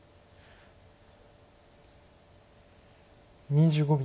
２５秒。